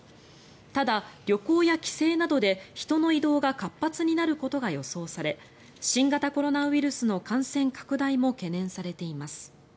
ただ、旅行や帰省などで人の移動が活発になることが予想され新型コロナウイルスの感染拡大も懸念されています。